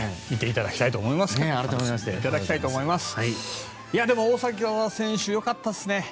見ていただきたいと思いますね。